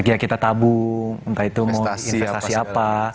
ya kita tabung entah itu mau investasi apa